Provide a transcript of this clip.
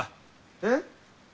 えっ？